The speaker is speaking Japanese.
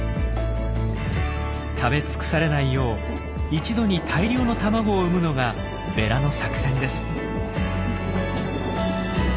食べ尽くされないよう一度に大量の卵を産むのがベラの作戦です。